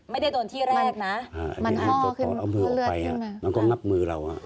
ไม่ได้โดนที่แรกนะตอนเอามือออกไปแล้วก็งับมือเรา